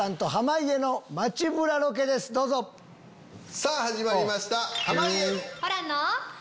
さぁ始まりました！